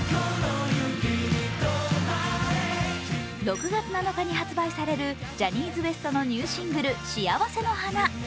６月７日に発売されるジャニーズＷＥＳＴのニューシングル「しあわせの花」。